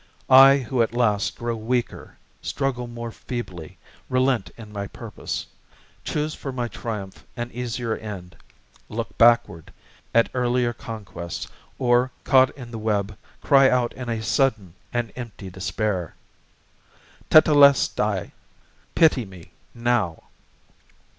I who at last Grow weaker, struggle more feebly, relent in my purpose, Choose for my triumph an easier end, look backward At earlier conquests; or, caught in the web, cry out In a sudden and empty despair, "Tetélestai!" Pity me, now!